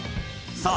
さあ